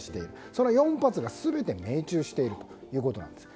その４発が全て命中しているということです。